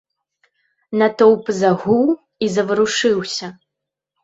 Натоўп загуў і заварушыўся.